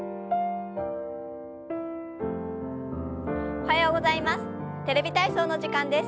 おはようございます。